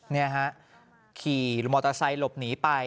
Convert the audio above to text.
นี่ฮะขี่มอเตอร์ไซค์หลบหนีไป